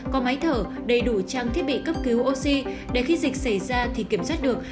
có máy thở đầy đủ trang thiết bị cấp cứu oxy để khi dịch xảy ra thì kiểm soát được